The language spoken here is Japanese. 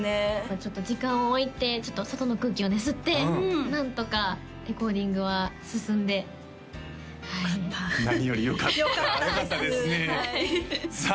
ちょっと時間を置いて外の空気をね吸って何とかレコーディングは進んではいよかった何よりよかったよかったですねさあ